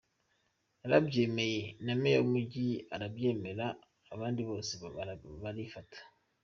Narabyemeye na Meya w’Umujyi arabyemera abandi bose barifata.